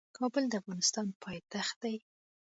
کابل د افغانستان پايتخت دی.